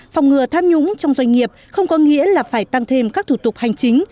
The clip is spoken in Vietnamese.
phòng ngừa tham nhũng trong doanh nghiệp không có nghĩa là phải tăng thêm các thủ tục hành chính